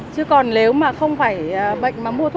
chữa chữa là dày chữa thắt